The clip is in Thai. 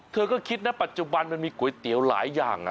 เธอก็คิดนะปัจจุบันมันมีก๋วยเตี๋ยวหลายอย่าง